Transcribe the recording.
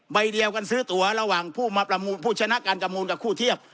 ใบเดียวกันซื้อตัวระหว่างผู้มาประมูลผู้ชนะการประมูลกับคู่เทียบ